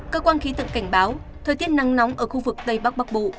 cơ quan khí tượng cảnh báo thời tiết nắng nóng ở khu vực tây bắc bắc bộ